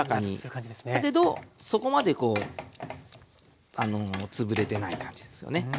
だけどそこまでこう潰れてない感じですよね。